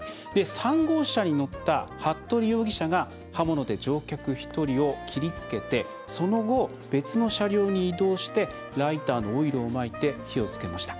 ３号車に乗った服部容疑者が刃物で乗客１人を切りつけてその後、別の車両に移動してライターのオイルをまいて火をつけました。